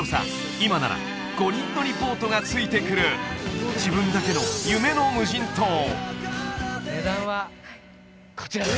今なら５人乗りボートがついてくる自分だけの夢の無人島値段はこちらです！